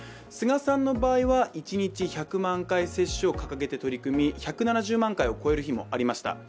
菅さんの場合は１日１００万回接種を掲げて取り組み、１７０万回を超える日もありました